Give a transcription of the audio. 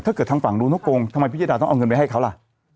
ถ้าเกิดทางฝั่งรู้เขาโกงทำไมพิยดาต้องเอาเงินไปให้เขาล่ะ